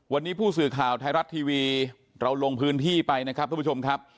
วันนี้ผู้สื่อข่าวไทยรัฐทีวีเราลงพื้นที่ไปนะครับทุกผู้ชมครับ